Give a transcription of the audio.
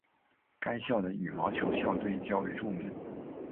该校的羽毛球校队较为著名。